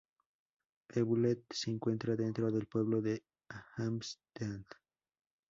Hewlett se encuentra dentro del pueblo de Hempstead.